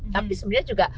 tapi sebenarnya juga